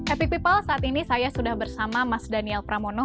epic people saat ini saya sudah bersama mas daniel pramono